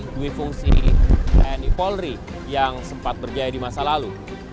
dui fungsi tni polri yang sempat berjaya di masa lalu